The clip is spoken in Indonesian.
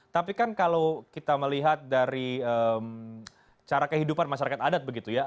tapi kan kalau kita melihat dari cara kehidupan masyarakat adat begitu ya